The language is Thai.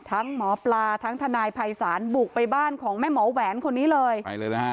หมอปลาทั้งทนายภัยศาลบุกไปบ้านของแม่หมอแหวนคนนี้เลยไปเลยนะฮะ